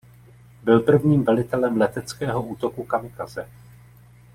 Byl prvním velitelem leteckého útoku kamikaze.